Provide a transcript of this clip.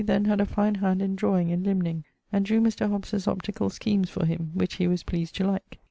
then had a fine hand in drawing and limning, and drew Mr. Hobbes's opticall schemes for him, which he was pleased to like.